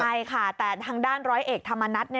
ใช่ค่ะแต่ทางด้านร้อยเอกธรรมนัฐ